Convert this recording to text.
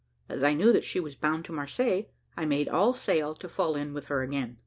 As I knew that she was bound to Marseilles, I made all sail to fall in with her again.